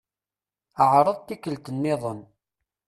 Ɛṛeḍ tikkelt-nniḍen.